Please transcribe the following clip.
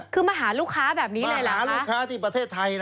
คือมาหาลูกค้าแบบนี้เลยเหรอหาลูกค้าที่ประเทศไทย